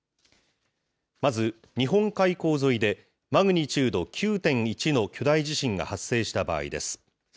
まず、日本海溝沿いで、マグニチュード９．１の巨大地震が発生した場合です。